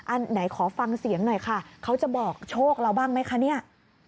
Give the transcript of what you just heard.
อันไหนขอฟังเสียงหน่อยค่ะเขาจะบอกโชคเราบ้างไหมคะเนี่ย